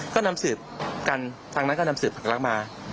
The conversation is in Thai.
ก็นำสืบกันทางนั้นก็นำสืบมา